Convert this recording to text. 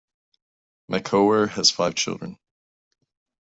Makoare has five children.